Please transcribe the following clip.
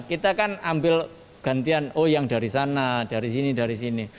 kita kan ambil gantian oh yang dari sana dari sini dari sini